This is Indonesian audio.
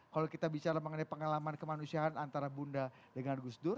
kalau kita bicara mengenai pengalaman kemanusiaan antara bunda dengan gus dur